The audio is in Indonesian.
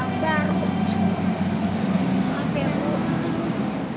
apa yang bu